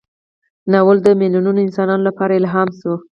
ناول د میلیونونو انسانانو لپاره الهام شو.